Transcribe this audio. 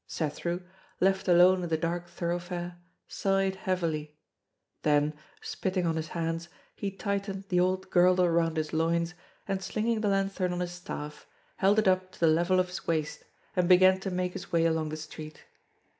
Cethru, left alone in the dark thoroughfare, sighed heavily; then, spitting on his hands, he tightened the old girdle round his loins, and slinging the lanthorn on his staff, held it up to the level of his waist, and began to make his way along the street.